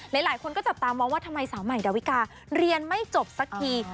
หลายคนก็จับตามองว่าทำไมสาวใหม่ดาวิกาเรียนไม่จบสักที